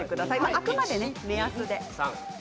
あくまで目安で。